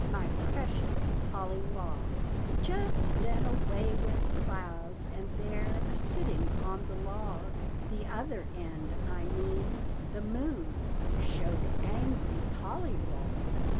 My precious Polly Wog!" Just then away went clouds, and there A sitting on the log The other end I mean the moon Showed angry Polly Wog.